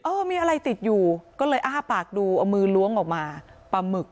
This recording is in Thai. เออมีอะไรติดอยู่ก็เลยอ้าปากดูเอามือล้วงออกมาปลาหมึก